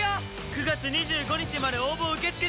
９月２５日まで応募受け付け中。